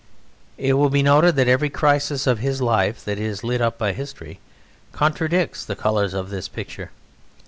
It will be noted that every crisis of his life that is lit up by history contradicts the colours of this picture.